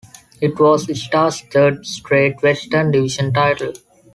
It was the Stars' third straight Western Division title.